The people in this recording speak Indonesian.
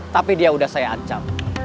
tapi dia sudah saya ancam